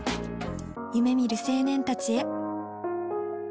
夢みる青年たちへ。